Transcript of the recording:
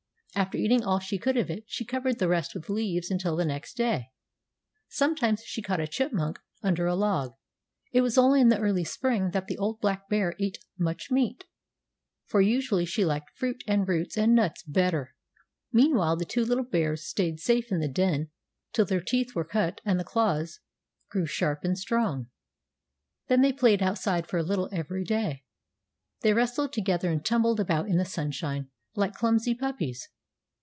After eating all she could of it she covered the rest with leaves until the next day. Sometimes she caught a chipmunk under a log. It was only in the early spring that the old black bear ate much meat, for usually she liked fruit and roots and nuts better. Meanwhile the two little bears stayed safe in the den till their teeth were cut and the claws grew sharp and strong. Then they played outside for a little every day. They wrestled together and tumbled about in the sunshine, like clumsy puppies.